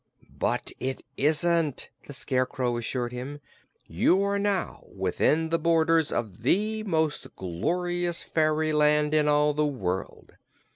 "But it isn't," the Scarecrow assured him. "You are now within the borders of the most glorious fairyland in all the world.